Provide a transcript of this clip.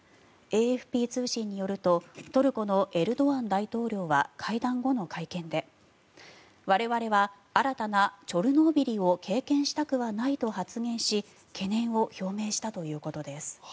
ＡＦＰ通信によるとトルコのエルドアン大統領は会談後の会見で我々は新たなチョルノービリを経験したくはないと発言し懸念を表明したということです。